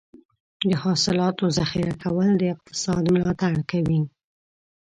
د حاصلاتو ذخیره کول د اقتصاد ملاتړ کوي.